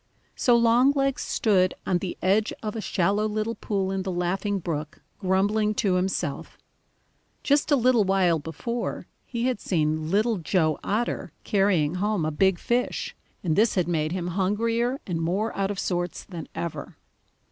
So Longlegs stood on the edge of a shallow little pool in the Laughing Brook, grumbling to himself. Just a little while before, he had seen Little Joe Otter carrying home a big fish, and this had made him hungrier and more out of sorts than ever.